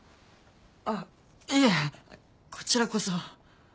あっいえこちらこそ。